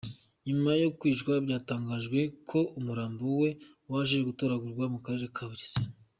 Nyuma yo kwicwa byatangajwe ko umurambo we waje gutoragurwa mu Karere ka Bugesera.